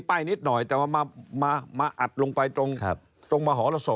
ป้ายนิดหน่อยแต่ว่ามาอัดลงไปตรงมหรสบ